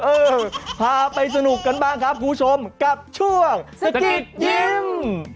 เออพาไปสนุกกันบ้างครับคุณผู้ชมกับช่วงสกิดยิ้ม